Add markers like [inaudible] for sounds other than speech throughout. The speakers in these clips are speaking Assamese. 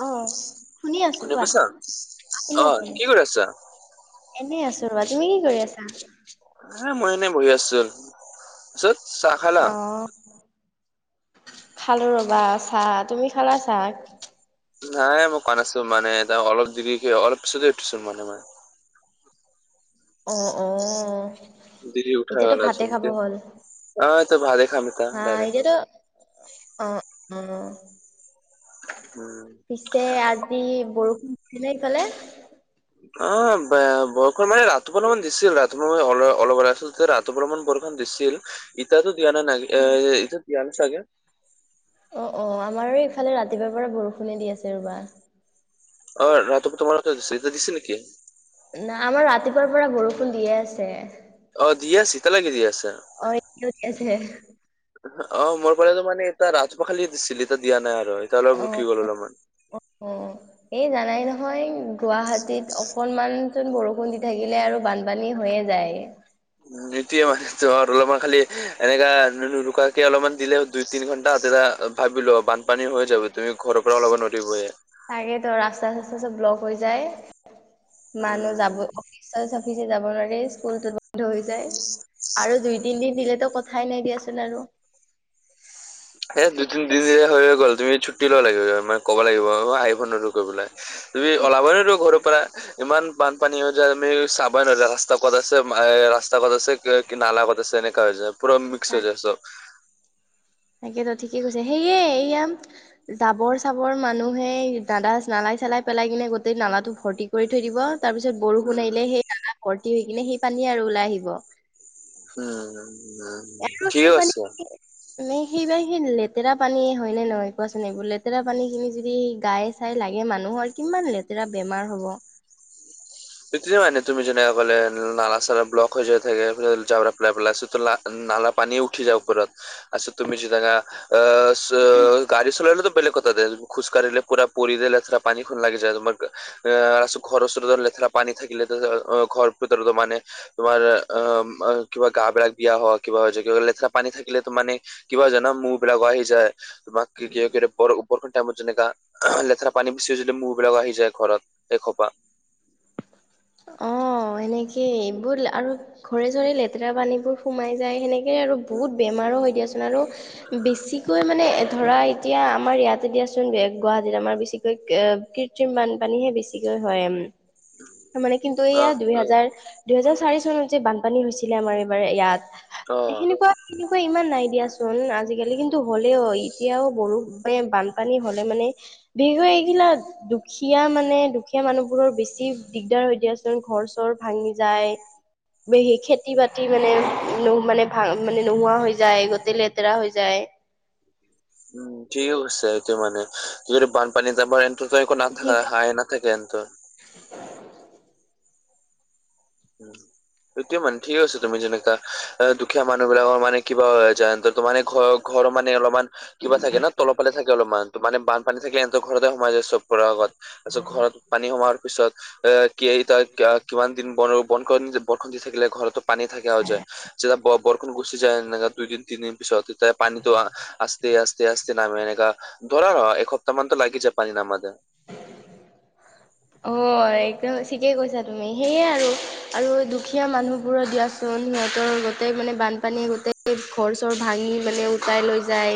অ শুনি আছো কোনে কোৱা কৈছা? শুনি অঁ আছো কি কৰি আছা? এনেই আছো ৰবা তুমি কি কৰি আছা? এ মই এনেই বহি আছো। তাৰপিছত চাহ খালা। অ খালো ৰবা চাহ। তুমি খালা চাহ? নাই মই কানাছো মানে তাৰ অলপ দেৰি অলপ পিছতে উঠিছো মানে মই। অঁ অঁ। দেৰি উঠাই গল আজি খাব এতিয়া। অঁ তো ভা [unintelligible] হ এতিত অঁ উ। উম। পিছে আজি বৰষুণ হৈছে নে সিফালে? অঁ ব বৰষুণ মানে ৰাতিপুৱা অলপ মান দিছিল। ৰাতিপুৱা মানে অল অলপ আছিল। ৰাতিপুৱা বৰষুণ দিছিল। ইতাতো দিয়ানা নাগে ইতা দিয়ানা চাগে। অঁ অঁ আমাৰো ইফালে ৰাতিপুৱাৰ পৰা বৰষুণে দি আছে ৰবা। অঁ ৰাতিপুৱা তোমাৰ। এতিয়া দিছে নেকি? নাই আমাৰ ৰাতিপুৱাৰ পৰা বৰষুণ দিয়ে আছে। অঁ দিয়ে আছে এতিয়ালৈকে দি আছে। [unintelligible] অঁ মোৰ ফাললে তো মানে এটা ৰাজ পাখালি দিছিল এতিয়া দিয়া নাই আৰু এতিয়া অলপ অ ৰুকি অ গ'ল অলপমান। অ', [inaudible] এই জানাই নহয় গুৱাহাটীত অকনমান চোন বৰষুণ দি থাকিলে আৰু বান- পানী হৈয়ে যায়। নিদিয়ে মানে জ্বৰ অলপমান খালি এনেকা ৰুকাকে অলপমান দিলেও দুই তিনি ঘন্টা তেতিয়া- ভাবিলো বানপানী হৈ যাব তুমি ঘৰৰ পৰাও ওলাৱ নদী বোৰে। তাকেই তো ৰাস্তা চাস্তা চব ব্লক হৈ যায়। মানুহ যাব উম চাফিছে যাব নোৱাৰে স্কুলতো বন্ধ হৈ যায় আৰু দুই তিন দিন দিলেতো ক খায় নাইদিয়া আছিল আৰু হেই দুই তিনদিন হৈ গ'ল তুমি ছুটি ল'ব লাগিব মানে ক'ব লাগিব আৰু আহিব কৰিবলে। তুমি ওলাবই নোৱাৰা ঘৰৰ পৰা। ইমান বানপানী হয় যায় আমি চাবই নাজায় ৰাস্তা ক'ত আছে এ ৰাস্ত ৰাস্তা কত আছে কি নালা কত আছে এনেকা হৈ যায় পুৰা মিক্স হৈ তাক যায় চব। তাকেতো ঠিকেই কৈছে সেয়ে এইয়াম জাবৰ চাবৰ মানুহে দাদাচ নালাই চালাই পেলাই কিনে গোটেই নালাটো ভৰ্তি কৰি থৈ দিব তাৰ পিছত বৰষুণ উম আহিলে সেইয়া ভৰ্তি হৈ কিনে সেই পানীয়ে আৰু ওলাই আহিব। উম উম। আৰু ঠিকে সেই কৈছা। মানে- মে সেইবাৰ সেই লেতেৰা পানী হয় নে নহয় কোৱাচোন এইবোৰ? লেতেৰা পানী খিনি যদি গাই- চাই লাগে মানুহৰ কিমান লেতেৰা বেমাৰ হ'ব। সেইটোৱে মানে তুমি যেনেকে কলে নালা চালা ব্লক হৈ যোৱা থাকে জাব্ৰা পেলাই পেলাই চতুলা নালা পানীও উঠি যায় ওপৰত আচ্ছা তুমি যেনেকা [unintelligible] গাড়ী চলালেটো বেলেগ কথা দে। খোজকাঢ়িলে পুৰা পৰি দিলে পানীখন লাগি যায় তোমাৰ। আহ ঘৰৰ ওচৰততে লেতেৰা পানী থাকিলে অঁ ঘৰ ভিতৰতো মানে- তোমাৰ অ কিবা গা বিলাক বিয়া হওঁক, কিবা লেতেৰা পানী থাকিলে তো মানে- কিবা জেনম মূহ বিলাক আহি যায় তোমাকৰ কিহৰ কিহৰ বৰ বৰষুণ টাইমত যেনেকা লেতেৰা পানী বেছি যদি মূহ বিলাকো আহি যায় ঘৰত একসোপা অ সেনেকে এইবোৰ আৰু ঘৰে চৰে লেতেৰা পানীবোৰ সোমাই যায় সেনে কে আৰু উম বহুত বেমাৰো হৈ দিয়াচোন আৰু বেছিকৈ মানে ধৰা এতিয়া আমাৰ ইয়াতে দিয়াচোন গুৱাহাটীত আমাৰ বেছিকৈ কৃত্ৰিম বানপানীহে বেছিকৈ হয় মানে কিন্তু অ এয়া দুইহেজাৰ দুহেজাৰ চাৰি চনত যে বানপানী হৈছিলে আমাৰ এইবাৰ অ ইয়াত সেনেকুৱা তেনেকুৱা ইমান নাই দিয়াচোন আজিকালি কিন্তু হ'লেও এতিয়াও বৰষুণে, বানপানী হলে মানে বিগৈ এইগিলা দুখীয়া মানে দুখীয়া মানুহবোৰৰ বেছি দিগদাৰ হয় দিয়াচোন ঘৰ চৰ ভাঙি যায় খেতি বাতি মানে মানে ভা মানে নোহোৱা হৈ যায় গোতে লেতেৰা হৈ যায় উম ঠিকে কৈছে সেইটো মানে যদি বানপানীত যামাৰ এন্তো নাথাকা সেইকাৰণে হাই না [unintelligible] থাকে হেন্তৰ উম সেইটোয়ে মানে ঠিক আছে তুমি যেনেকা এ দুখীয়া মানুহ বিলাকৰ মানে কিবা হৈ যন্ত্ৰৰ মানে ঘৰৰ ঘৰৰ মানে অলমান কিবা থাকে ন তলৰফালে থাকে অলপমান মানে বানপানী থাকে এনতৰ ঘৰতে সোমাই যায় চবৰ আগত তাৰ পিছত ঘৰত পানী সোমোৱাৰ পিছত এ কি তই কিমান দিন বন বনখন বৰষুণ দি থাকিলে ঘৰতো পানী থাকা যয় যেতিয়া বৰষুণ গুচি যায় এনেকা দুইদিন তিনিদিন পিছত তেতিয়া পানীটো আস্তে আস্তে আস্তে নামে এনেকা ডৰাৰ হয় এসপ্তামানতো লাগি যায় পানী নামোতে অ একন ঠিকেই কৈছা তুমি সেয়া আৰু দুখীয়া মানুহবোৰৰ দিয়া চো চোন সিহঁতৰ গোটেই মানে বানপানীয়ে গোতেই ঘৰ চৰ ভাঙি মানে উটাই লৈ যায়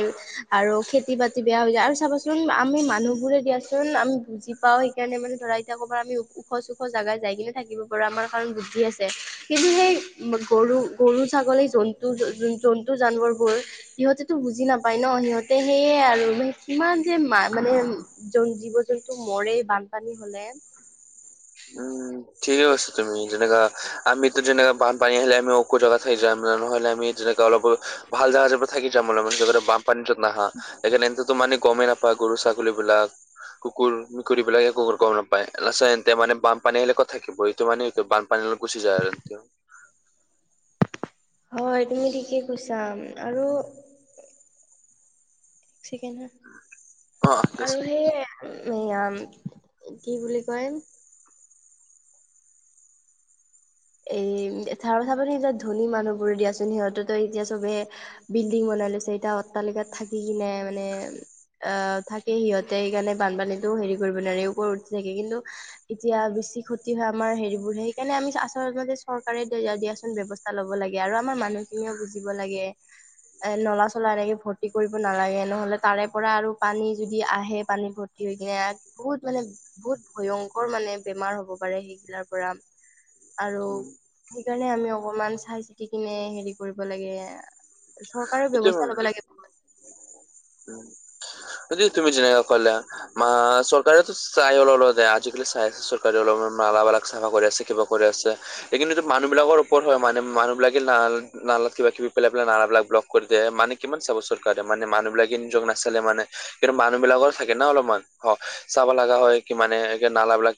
আৰু খেতি বাতি বেয়া হৈ যায় আৰু চাবাচোন আমি মানুহ বোৰে দিয়াচোন আমি বুজি পাও সেইকাৰণে মানে চৰাই থকাৰ [unintelligible] আমি ওখ চুখ জাগাই যাই কিনে থাকিব পাৰোঁ আমাৰ কাৰণ বুদ্ধি আছে কিন্তু সেই গৰু গৰু ছাগলী জন্তু জন্তু জানৱৰবোৰ সিহঁতেতো বুজি নাপায় ন সিহঁতে সেইয়ে আৰু কিমান যে মা মানে যন জীৱ জন্তু মৰে বানপানী হলে। উম ঠিকেই কৈছা তুমি যেনেকা আমিতো যেনেকা বানপানী আহিলে আমি ওখ জেগাত হে যাম নহ'লে আমি যেনেকা অলপ ভাল জেগা থাকি যাম অলপ য'ত বামপানীটো নাহা সেইকাণে সিনততো মানে গমেই নাপায় গৰু ছাগলী বিলাক কুকুৰ মেকুৰীবিলাকে কুকুৰ গম নাপায়। লাষ্টত সেন তে মানে বানপানী আহিলে কত থাকিব এইটো মানে এইটো বানপানী গুচি যায় আৰু হয়, তুমি ঠিকেই কৈছা আৰু- এক চিকেন হা অ' ঠিক আছে আৰু সেয়ে- এই আম কি বুলি কয়। এই তাৰ কথা পাননি এতিয়া ধনী মানুহবোৰ দিয়াচোন সিহঁততো এতিয়া চবে- বিল্ডিং বনাই লৈছে, এতিয়া অট্টালিকাত থাকি কিনে মানে- আহ থাকে সিহঁতে সেইকাৰণে বানপানীটো হেৰি কৰিব নোৱাৰে ওপৰত উঠি থাকে কিন্তু এতিয়া বেছি ক্ষতি হয় আমাৰ হেৰিবোৰে সেইকাৰণে আমি ধৰ যদি চৰকাৰে দিয়াচোন ব্যৱস্থা লব লাগে আৰু আমাৰ মানুহখিনিও বুজিব লাগে। এ নলা চলা এনেকে ভৰ্তি কৰিব নালাগে নহলে তাৰে পৰা আৰু পানী যদি আহে পানী ভত হৈ কিনে বহুত মানে বহুত ভয়ংকৰ মানে বেমাৰ হ'ব পাৰে সেইগিলাৰ পৰা আৰু সেইকাৰণে আমি অকমান চাই চিতি কিনে হেৰি কৰিব লাগে। চৰকাৰেও সেইটোৱে ব্যৱস্থা মানে ল'ব লাগে। যদি তুমি যেনেুৱা কলা- ম চৰকাৰেওো চাই অল দে আজিকালি চাই আছে চৰকাৰে অলপ অলালগ চাফা কৰি আছে কিবা- কৰি আছে। সেই কিন্তুটো মানুহ বিলাকৰ ওপৰত হয় মানে মানুহবিলাকে নালাত কিবা কিবি পেলাই পেলাই নালাবিলাক ব্লক - কৰি দে মানে কিমান চাব চৰকাৰে মানে মানুহ বিলাকে নিজক নাচালে মানে। কিন্তু মানুহবিলাকৰ থাকে না অলপমান। অ চাব লগা হয় কি মানে নালাাবিলাক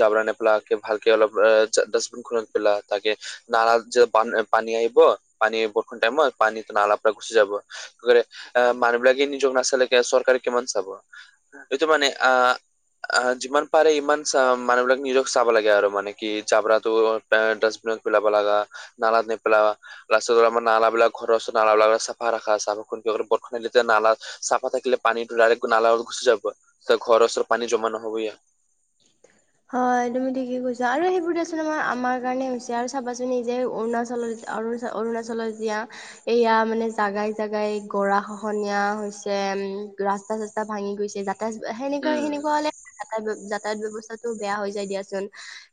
জাবৰা নেপেলাকে ভালকে অলপ ডাষ্টবিন খ- তাকে নালা যে পানী আহিব পানী বৰষন টাইমত, পানী- নলা পৰা গুচি যাব, আহ মানুহ বিলাকে নিজক নাচালে চৰকাৰে কিমান চাব। এইটো মানে আ- আহ যিমান পাৰে ইমান চ মানুহ বিলাক নিজক চাব লাগে আৰু মানে কি জাবৰাতো- ডাষ্টবিনত পেলাব লগা নালাত নেপেলাবা লা আমাৰ নালা বিলাকৰ ঘৰৰ ওচৰ- নলা বিলাকো চফা ৰাখা চফা খু বৰ খাইে তেতিয়া নালা- চাফা থাকিলে পানীটো ডাইৰেক্ট নালা ঘুচি যাব ঘৰচৰত পানী জমা নহব ইয়া- [inaudible] হয় তুমি ঠিকেই কৈছা আৰু সেইবোৰ দ আচোন আমাৰ আমাৰ কাৰণে হৈছে আৰু চাবাচোন নি যে অৰুণাচলত- অৰুচ অৰুণাচলত এতিয়া- এয়া মানে জাগাই জাগাই গৰা খহনীয়া হৈছে উম ৰাস্তা চাস্তা ভাঙি গৈছে যা- সেনেকা উম সেনেকুৱা হলে যাত যাতায়ত ব্যয়ৱস্থাটো বেয়া হৈ যায় দিয়াচোন।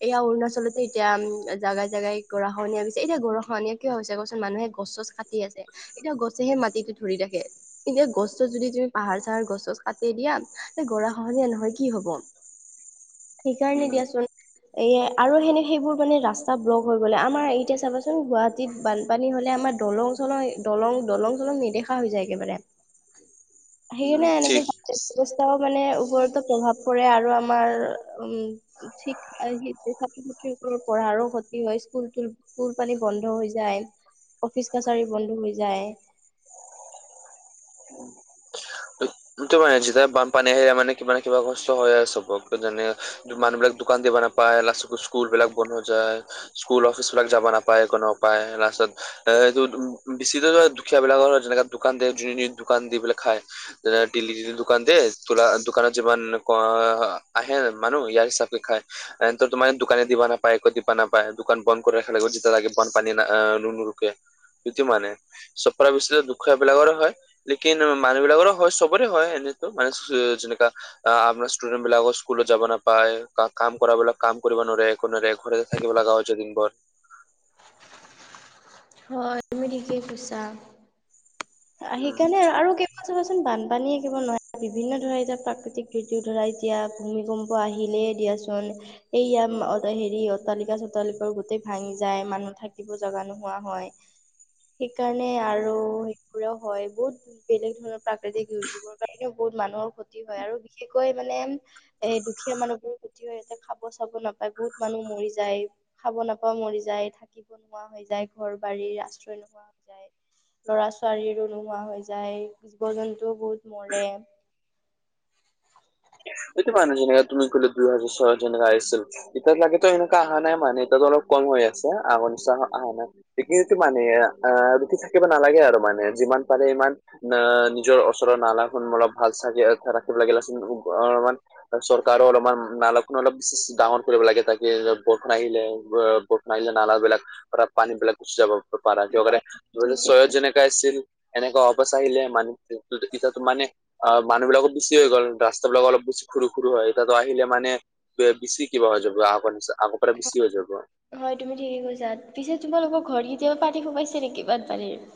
এয়া অৰুণাচলতে এতিয়া উম জেগাই জেগাই গৰা খনীয়া হৈছে এতিয়া গৰাখহনীয়া কিয় হৈছে কোৱাচোন মানুহে গছ চছ কাট তি আছে এতিয়া গছেহে মাটিতটো ধৰি ৰাখে। এতিয়া গছ চছ যদি তুমি পাহাৰ চাহাৰ গছ চছ কাটি দিয়া গৰা খহনীয়া নহয় কি হব- সেইকাৰণে উম দিয়াচোন এ আৰু সেনে সেইবোৰ মানে ৰাস্তা ব্লক হৈ গ'লে আমাৰ এতিয়া চাবাচোন গুৱাট তিত বানপানী হলে আমাৰ দলং চলং দলং দলং চলং নেদেখা হৈ যায় একেবাৰে। উ [inaudible] সেইকাৰণে এনেকে ব্যৱস্থাও মানে ওৰতো প্ৰভাৱ পৰে আৰু আমাৰ উম- শিক্ষা ছাত্ৰ ছাত্ৰীসৰ পঢ়াৰো ক্ষতি হয় স্কুল ফুল পানী বন্ধ হৈ যায় অফিচ কাছাৰী বন্ধ হৈ যায়। উম দুটা বনাই দিছো এটা বন পানী আহে মানে কিবা নহয় কিবা কষ্ট হয় আৰু চবক যেনে মানুহ বিলাক দোকান দিবা নাপায় লাষ্ট স্কুলবিলাক বন্ধ হৈ যায়। স্কুল অফিচবিলাক যাব নাপায় একোনো উপায় তাৰপাছত, এ এই বেছিকে দুখীয়াবিলাকৰ যেনেকা দোকান দিয় যোনে দোকান দি পেলাই খায় যে নটিলি দোকান দে, তোলা দোকানত যিমান অ আহে মানুহ ইয়াৰ হিচাপকে খায়। এ ত তোমানে দোকানে দিবা নাপায় একো দিবা নাপায় দোকান বন কৰি ৰাখা লাগিব যেতিয়া লে ব পানী নুনৰুকে প্ৰতি মানে চফৰা বিচি দুখীয়া বিলাকৰে হয়। লেকিন মানুহ বিলাকৰো হয়, চবৰে হয় এনেতো মানে যেনেকা- আহ আপোনাৰ ষ্টুডেন্ট বিলাকৰ স্কুলত যাব নাপায় কাম কৰাবলাক কাম কৰিব নোৱখ কোনো ঘৰেতে থাকিব লগাও হৈছে দিন বৰ- হয় তুমি ঠিকেই কৈছা, আঁ উম, সেইকাৰণে আৰু- চাবাচোন বানপানীয়ে কিবা নোৱাৰে বিভিন্ন ধৰণৰ এতিয়া প্ৰাকৃতিক দুৰ্যোগ ধৰা এতিয়া- ভূমিকম্প আহিলেই দিয়াচোন- এইয়া হেৰি অট্টালিকা চট্টালিকৰ গোটেই ভাঙি যায়, মানুহ থাকিব জাগা নোহোৱা হয়। [unintelligible] [inaudible] সেইকাৰণে আৰু সেইবোৰেও হয় বহুত বেলেগ ধৰণৰ প্ৰাকৃতিক দুৰ্যোগৰ কাৰণে বহুত মানুহৰ ক্ষতি হয় আৰু বিশেষকৈ মানে এ দুখীয়া মানুহবোৰৰ উতি ইয়াতে খাব চাব নাপায় বহুত মানুহ মৰি যায় খাব নাপাইও মৰি যায়, থাকিব নোৱাৰা হৈ যায় ঘৰ- বাৰীৰ আশ্ৰয় নোহোৱা হৈ যায় লৰা-ছোৱালীবোৰ নোহোৱা হৈ যায়, জীৱ- জন্তুও বহুত মৰে এইটো মানুহ যেনেকে তুমি ক'লে দুই হাজাৰ ছয় হাজাৰ যেনেকা আহিছিল। [unintelligible] এতিয়া লাগেত এনেকুৱা অহা নাই মানে এতিয়াতো অলপ কম হৈ আছে, আগৰ নিচিনা আহা নাই। সেইটোৱেইটো মানে আহঁ ৰখি থাকিব নালাগে আৰু মানে যিমান পাৰে ইমান- ন নিজৰ ওচৰৰ নালাখন অলপ ভাল চাগ [unintelligible] ৰাখিব লাগে [unintelligible] অলপমান চৰকাৰেও অলপমান নালাখন অলপ ডাঙৰ কৰিব লাগে, তাকে বৰষুণ আহিলে- পাৰিলে নলাবিলাক পানী বিলাক গুচি যাব পাৰে, কিয়কাৰণে হয় ঠিকে [unintelligible] ছিল এনেকা অৱস্থা আহিলে [unintelligible] মানে অঁ মানুহ বিলাকো বেছি হৈ গ'ল, ৰাস্তা বিলাক অলপ বেছি সৰু- সৰু হয়, এতিয়াতো আহিলে মানে- বেছি কিবা হৈ যাব, আগৰ নিচিনা আগৰ পৰা বেছি হৈ যাব। হয় তুমি ঠিকে কৈছা। পিছে তোমালোকৰ ঘৰত কেতিয়া পানী সোমাইছে নেকি বানপানীৰ?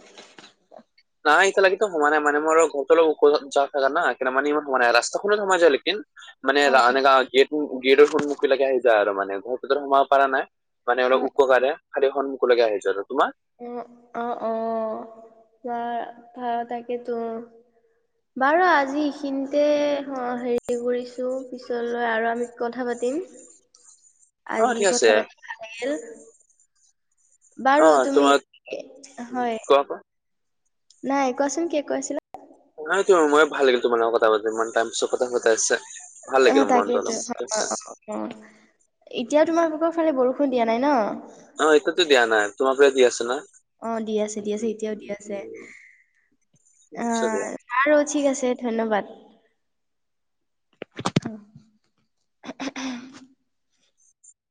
নাই এতিয়া লগে ত সোমোৱা নাই মানে মোৰ ঘৰটো অলপ ওখ জা জানা মানে ইমান সোমোৱা নাই। ৰাস্তাখনত অকণ সোমাই যায় লেকিন। মানে এনেকা অ গেত গেটৰ সন্মুখৰলৈকে আহি যায় আৰু মানে ঘৰৰ ভিতৰত সোমাব পৰা নাই। মানে অলপ অ ওখ কাৰণে খালি সন্মুখৰলৈকে আহিছে আৰু। তোমাৰ? অঁ অঁ অঁ ভাল ভাল থাকেতো বাৰু আজি এইখিনিতে, অঁ হেৰি- কৰিছো পিছলৈ আৰু আমি কথা পাতিম। অ ঠিক আজি আছে কথা পাতি- ভাল লাগিল। অ বাৰু তুমি, তোমাক এ হয়। কোৱা কোৱা নাই কোৱাচোন কি কৈছিলা? নাই তো, মোৰো ভাল লাগিল তোমাৰ লগত কথা পাতি ইমান টইম পিচত কথা পতা হৈছে ভাল লাগিল মনটো অলপ। উমঁ, এতিয়া তোমালোকৰ ফালে বৰষুণ দিয়া নাই ন? অঁ এটিয়াটো দিয়া নাই। তোমাৰ ফালে দি আছে ন? অঁ দি আছে দি আছে, এতিয়াওঁ দি আছে অঁ। বাৰু ঠিক আছে ধন্যবাদ। অঁ।